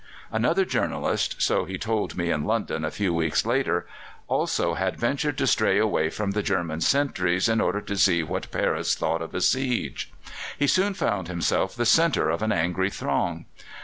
Another journalist so he told me in London a few weeks later also had ventured to stray away from the German sentries in order to see what Paris thought of a siege. He soon found himself the centre of an angry throng.